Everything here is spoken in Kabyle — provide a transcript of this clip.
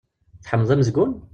Tḥemmleḍ amezgun?